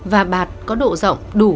và bạt có độ rộng đủ